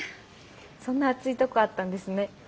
そんな熱いとこあったんですね。